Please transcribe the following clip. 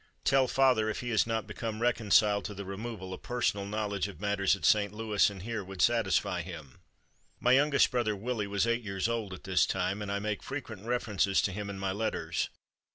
Tell father if he has not become reconciled to the removal, a personal knowledge of matters at St. Louis and here would satisfy him." My youngest brother, Willie, was eight years old at this time, and I make frequent references to him in my letters.